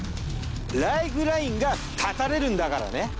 ライフラインが断たれるんだからね。